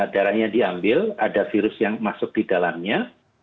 darahnya diambil ada virus yang masuk di dalamnya